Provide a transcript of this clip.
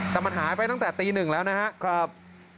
แต่มันหายไปตั้งแต่ตีหนึ่งแล้วนะครับ